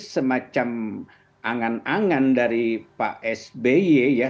semacam angan angan dari pak sby ya